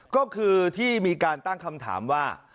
ก็คือที่มีการตั้งคำถามว่า